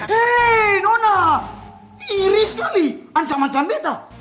hei nona iri sekali ancam ancam beta